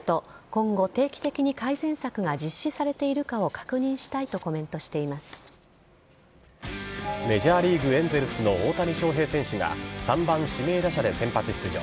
今後、定期的に改善策が実施されているかを確認したいとメジャーリーグエンゼルスの大谷翔平選手が３番・指名打者で先発出場。